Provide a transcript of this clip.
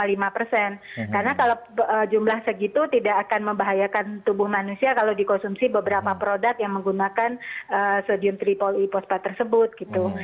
nah jika dikonsumsi dengan sedium triboliipospat jumlah segitu tidak akan membahayakan tubuh manusia kalau dikonsumsi beberapa produk yang menggunakan sedium triboliipospat tersebut gitu